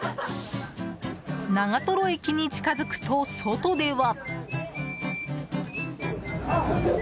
長瀞駅が近づくと外では。